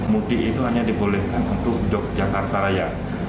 mudik itu hanya dibolehkan untuk dok jakarta raya